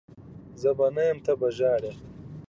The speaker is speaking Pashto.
زه به نه یم ته به ژهړي